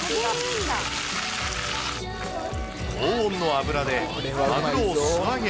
高温の油でマグロを素揚げ。